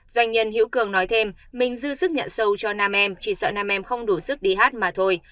doanh nhân hiễu cường nói thêm mình dư sức nhận sâu cho nam em chỉ sợ nam em không đủ sức đi hát mà thôi